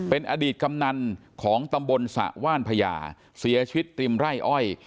เป็นอดีตกำนันของตำบลสระว่านพญาเสียชีวิตริมไร่อ้อย